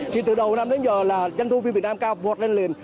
thì từ đầu năm đến giờ là doanh thu phim việt nam cao vột lên liền